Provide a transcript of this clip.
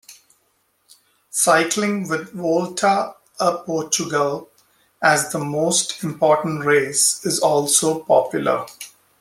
Cycling, with "Volta a Portugal" as the most important race, is also popular.